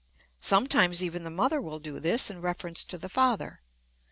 Sometimes even the mother will do this in reference to the father.